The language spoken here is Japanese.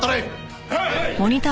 はい！